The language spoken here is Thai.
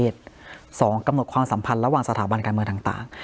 กำหนดความสัมพันธ์ระหว่างสถาบันการเมืองต่าง